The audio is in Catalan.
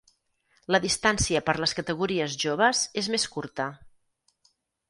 La distància per les categories joves és més curta.